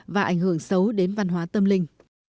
và ảnh hưởng xấu đến văn hóa tâm linh